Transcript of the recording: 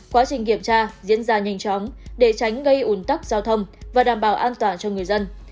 quá trình kiểm tra diễn ra nhanh chóng để tránh gây ủn tắc giao thông và đảm bảo an toàn cho người dân